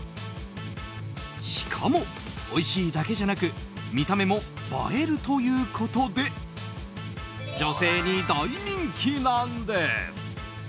しかも、おいしいだけじゃなく見た目も映えるということで女性に大人気なんです。